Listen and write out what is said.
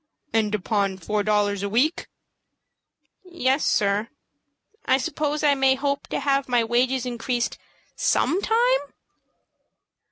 "And upon four dollars a week?" "Yes, sir. I suppose I may hope to have my wages increased some time?"